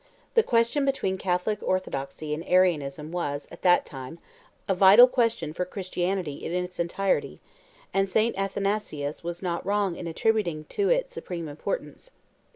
The question between Catholic orthodoxy and Arianism was, at that time, a vital question for Christianity in its entirety, and St. Athanasius was not wrong in attributing to it supreme importance.